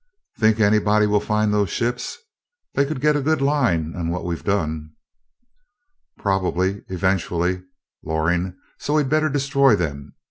"Think anybody will find those ships? They could get a good line on what we've done." "Probably, eventually, Loring, so we'd better destroy them.